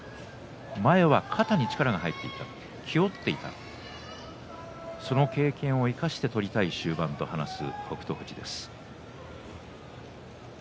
前は肩に力が入っていた気負っていたその経験を生かして取りたい終盤と話していた北勝富士です。